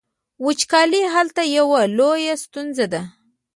وچکالي هلته یوه لویه ستونزه ده.